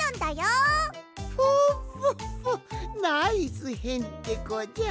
フォッフォッフォナイスへんてこじゃ！